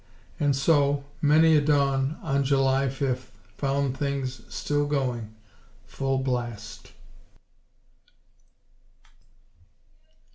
And so, many a dawn on July fifth found things still going, full blast.